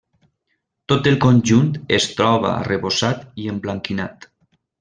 Tot el conjunt es troba arrebossat i emblanquinat.